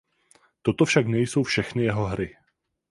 Toto však nejsou všechny jeho hry.